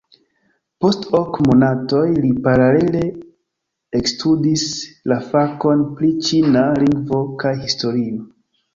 Post ok monatoj li paralele ekstudis la fakon pri ĉina lingvo kaj historio.